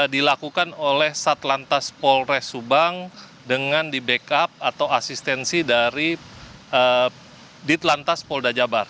dilakukan oleh sat lantas polres subang dengan di backup atau asistensi dari dit lantas poldajabar